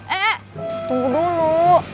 eh tunggu dulu